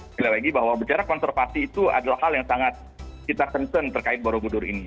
sekali lagi bahwa bicara konservasi itu adalah hal yang sangat kita concern terkait borobudur ini